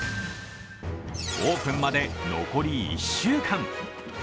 オープンまで残り１週間。